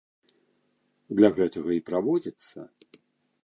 Для гэтага і праводзіцца.